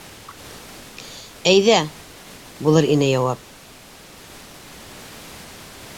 Әйҙә, - булыр ине яуап.